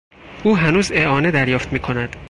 او هنوز اعانه دریافت میکند.